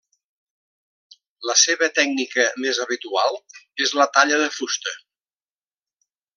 La seva tècnica més habitual és la talla de fusta.